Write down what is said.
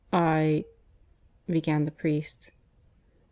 "I " began the priest.